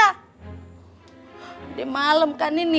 udah malem kan ini